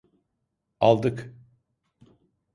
Aldık!